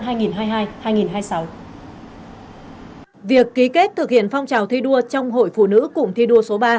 hội phụ nữ cụm thi đua số ba bộ công an vừa tổ chức hội nghị ký kết giáo ước thực hiện phong trào thi đua phụ nữ cụm thi đua số ba